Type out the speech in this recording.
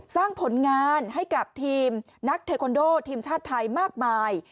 สร้างผลงานให้กับทีมนักเทคอนโดทีมชาติไทยมากมาย